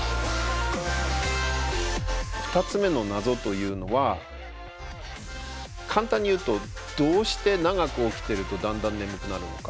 ２つ目の謎というのは簡単に言うとどうして長く起きてるとだんだん眠くなるのか。